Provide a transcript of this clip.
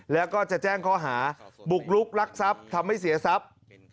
แล้วก็จะแจ้งข้อหาบุกลุกลักทรัพย์ทำให้เสียทรัพย์